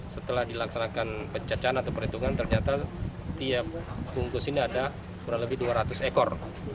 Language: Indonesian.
setelah dilaksanakan pencacahan atau perhitungan ternyata tiap bungkus ini ada kurang lebih dua ratus ekor